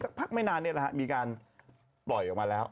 สักพักไม่นานนี่แหละมีการปล่อยออกมาแล้ว